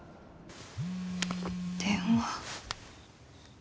電話。